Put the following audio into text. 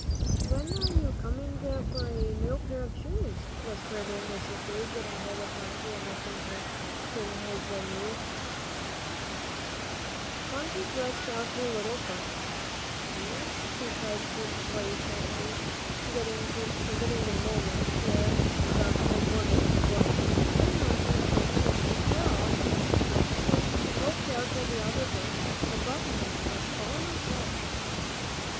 "When are you coming for a new pair of shoes?" whispered Mr. Beebe, getting hold of Phronsie and lifting her to his knee. Phronsie thrust out her little foot. "See," she cried gleefully, forgetting for a moment the big woman and the boy, "dear, nice Mr. Beebe, they're all here." Then she poked out the other foot. "I buttoned 'em up all myself."